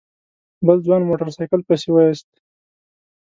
بل ځوان موټر سايکل پسې ويست.